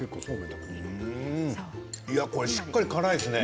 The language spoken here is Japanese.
しっかり辛いですね